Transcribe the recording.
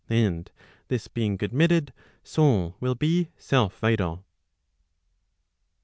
And this being admitted, soul will be self vital.